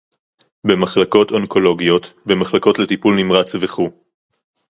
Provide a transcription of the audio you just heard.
במחלקות אונקולוגיות, במחלקות לטיפול נמרץ וכו'